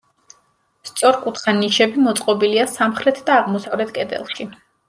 სწორკუთხა ნიშები მოწყობილია სამხრეთ და აღმოსავლეთ კედელში.